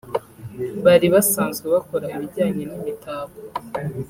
bari basanzwe bakora ibijyanye n’imitako